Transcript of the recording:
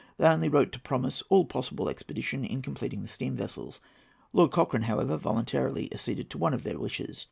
They only wrote to promise all possible expedition in completing the steam vessels. Lord Cochrane, however, voluntarily acceded to one of their wishes.